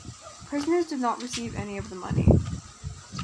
Prisoners did not receive any of the money.